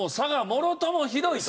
もろともひどいと。